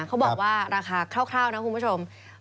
เขาบอกว่าราคาคร่าวนะคุณผู้ชม